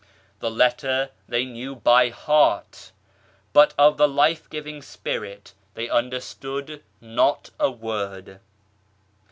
The letter they knew by heart, but of the life giving Spirit they understood not a word.